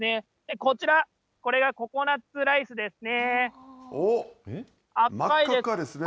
こちら、これがココナッツライスですね。